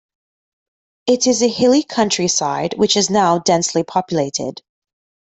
It is a hilly countryside, which is now densely populated.